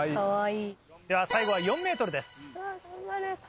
では最後は４ｍです。